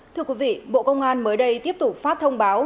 thưa quý vị bộ công an mới đây tiếp tục phát thông báo